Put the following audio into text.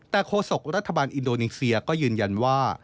แต่โฆษกรัฐบาลอินโดนีเซียก็ยืนยันว่า